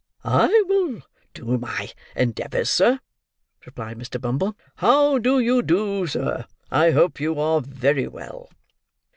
"I will do my endeavours, sir," replied Mr. Bumble. "How do you do, sir? I hope you are very well."